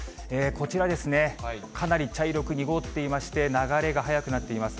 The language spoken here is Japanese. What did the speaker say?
こちら、かなり茶色く濁っていまして、流れが速くなっています。